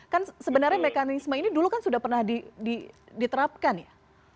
kan sebenarnya mekanisme ini dulu kan sudah pernah diterapkan ya